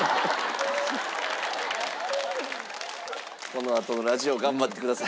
このあとのラジオ頑張ってください。